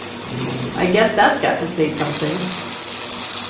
I guess that's got to say something.